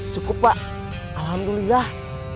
cukup pak alhamdulillah